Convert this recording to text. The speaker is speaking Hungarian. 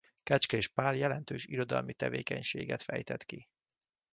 Kecskés Pál jelentős irodalmi tevékenységet fejtett ki.